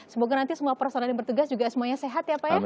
semoga nanti semua personal yang bertugas juga semuanya sehat ya pak ya